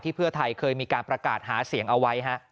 เพื่อไทยเคยมีการประกาศหาเสียงเอาไว้